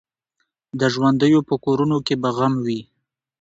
د ژوندیو په کورونو کي به غم وي